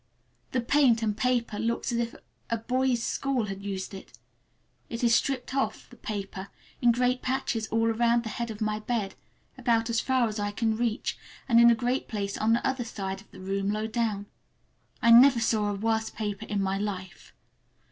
The paint and paper look as if a boys' school had used it. It is stripped off—the paper—in great patches all around the head of my bed, about as far as I can reach, and in a great place on the other side of the room low down. I never saw a worse paper in my life.